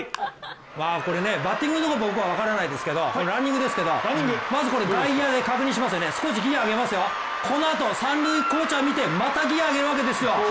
これねバッティング僕は分からないんですけどランニングですけど外野を確認して少しギヤ上げますよ、このあと三塁コーチャー見てまたギヤ上げるわけですよ。